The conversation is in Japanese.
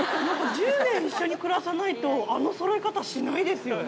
１０年一緒に暮さないと、あのそろい方、しないですよね。